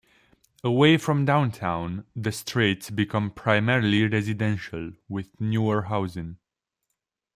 Away from downtown, the streets become primarily residential, with newer housing.